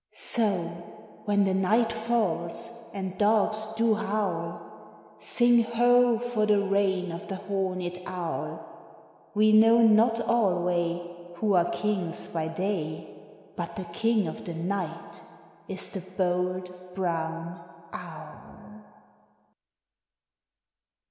So, when the night falls, and dogs do howl, Sing, ho! for the reign of the horned owl! We know not alway Who arc kings by day, But the king of the night is the bold brown oxcl!